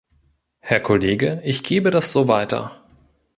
Herr Kollege, ich gebe das so weiter.